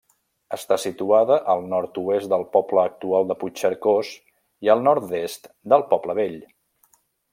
Està situada al nord-oest del poble actual de Puigcercós i al nord-est del poble vell.